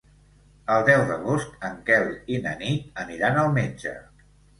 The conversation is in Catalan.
El deu d'agost en Quel i na Nit aniran al metge.